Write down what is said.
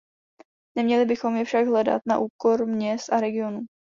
Neměli bychom je však hledat na úkor měst a regionů.